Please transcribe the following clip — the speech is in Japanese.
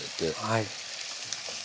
はい。